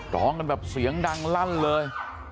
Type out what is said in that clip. ร้องกันแบบเสียงดังลั่นเลย